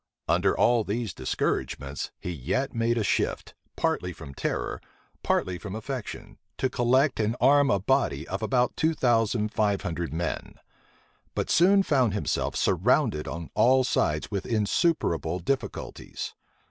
Under all these discouragements he yet made a shift, partly from terror, partly from affection, to collect and arm a body of about two thousand five hundred men; but soon found himself surrounded on all sides with insuperable difficulties.